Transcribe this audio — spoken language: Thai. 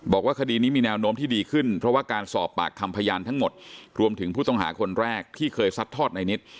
คดีนี้มีแนวโน้มที่ดีขึ้นเพราะว่าการสอบปากคำพยานทั้งหมดรวมถึงผู้ต้องหาคนแรกที่เคยซัดทอดในนิด